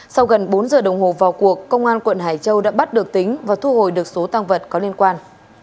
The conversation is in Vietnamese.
sau gần bốn giờ đồng hồ vào cuộc công an quận hải châu đã bắt được tính và thu hồi được số tăng vật có liên quan